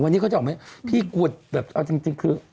ที่แกวลแบบเอาจริงคือ